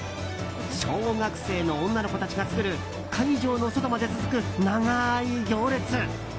小学生の女の子たちが作る会場の外まで続く長い行列。